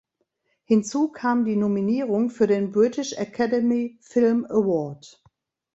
Hinzu kam die Nominierung für den British Academy Film Award.